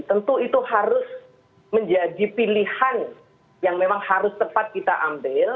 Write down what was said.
tentu itu harus menjadi pilihan yang memang harus tepat kita ambil